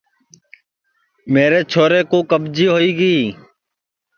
میرے چھورے کُو کٻجی ہوئی گی